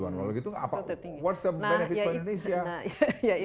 kalau gitu apa benefit indonesia